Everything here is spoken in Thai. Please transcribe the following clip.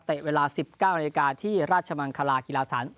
เตะเวลา๑๙นาทีที่ราชมังคลาฮิลาสาร